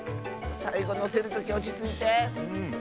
さいごのせるときおちついて。